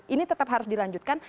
ini tetap harus dilanjutkan